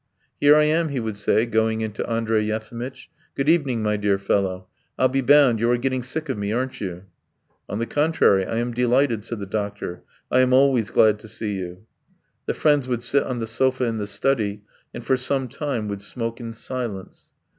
"Here I am," he would say, going in to Andrey Yefimitch. "Good evening, my dear fellow! I'll be bound, you are getting sick of me, aren't you?" "On the contrary, I am delighted," said the doctor. "I am always glad to see you." The friends would sit on the sofa in the study and for some time would smoke in silence.